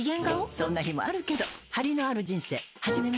そんな日もあるけどハリのある人生始めましょ。